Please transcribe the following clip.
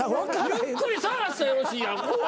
ゆっくり捜したらよろしいやん。